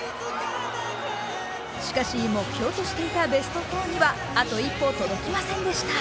しかし、目標としていたベスト４にはあと一歩届きませんでした。